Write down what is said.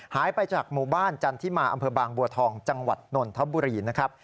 หายไปจากหมู่บ้านจันทิมาอำเภอบางบัวทองจังหวัดนนทบุรีนะครับ